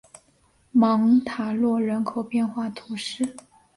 芒塔洛人口变化图示